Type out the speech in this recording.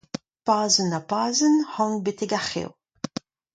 Pazenn ha pazenn ez an betek ar c'hev.